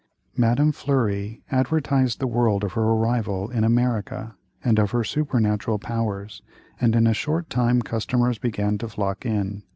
Madame Fleury advertised the world of her arrival in America, and of her supernatural powers, and in a short time customers began to flock in.